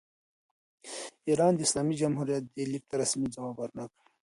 د ایران اسلامي جمهوریت دې لیک ته رسمي ځواب ور نه کړ.